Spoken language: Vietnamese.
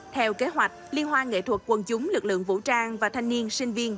theo kế hoạch liên hoan nghệ thuật quân chúng lực lượng vũ trang và thanh niên sinh viên